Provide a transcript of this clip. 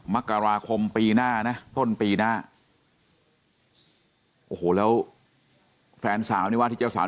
มกราคมปีหน้านะต้นปีหน้าโอ้โหแล้วแฟนสาวนี่ว่าที่เจ้าสาว